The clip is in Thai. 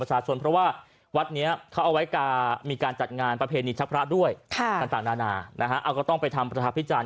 เพราะว่าัดเนี้ยเขาเอาไว้การมีการจัดงานประเพณิชฯภรรณะด้วยค่ะการต่างหนาไปทำประธาภิชา